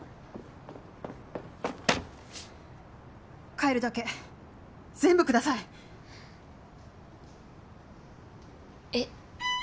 買えるだけ全部ください！え。